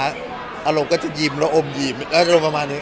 อารก็จะยิ้มเราอมยิ้มลงประมาณนี้